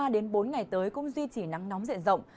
ba bốn ngày tới cũng duy trì nắng nóng diện rộng